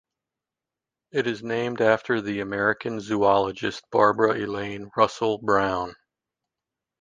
It is named after the American zoologist Barbara Elaine Russell Brown.